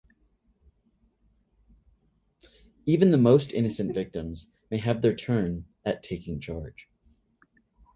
Even the most innocent victims may have their turn at taking charge.